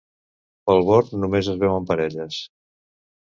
Pel Born només es veuen parelles.